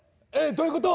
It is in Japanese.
どういうこと？